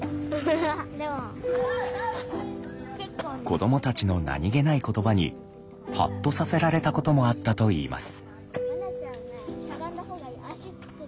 子どもたちの何気ない言葉にハッとさせられたこともあったといいます。